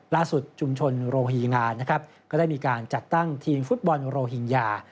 ล่าสุดชุมชนโรฮีงานนะครับก็ได้มีการจัดตั้งทีมฟุตบอลโรฮิงญา